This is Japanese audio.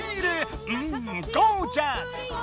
うんゴージャス！